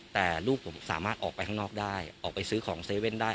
แต่ลูกผมสามารถออกไปข้างนอกได้ออกไปซื้อของเซเว่นได้